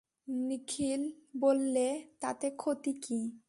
নিখিল বললে, তাতে ক্ষতি কী?